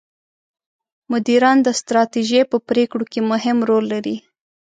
مدیران د ستراتیژۍ په پرېکړو کې مهم رول لري.